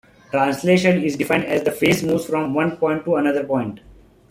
Translation is defined as the face moves from one point to another point.